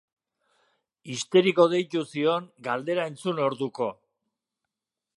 Histeriko deitu zion galdera entzun orduko.